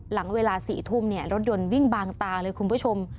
หลังเวลา๔ทุ่มเนี่ยรถยนต์วิ่งบางตาเลยคุณผู้ชม